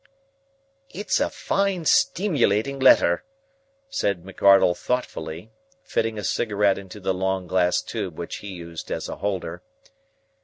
"It's a fine, steemulating letter," said McArdle thoughtfully, fitting a cigarette into the long glass tube which he used as a holder.